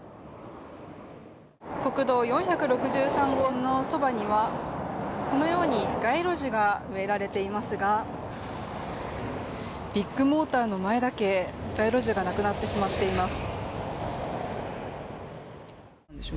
国道４６３号のそばにはこのように街路樹が植えられていますがビッグモーターの前だけ街路樹がなくなっています。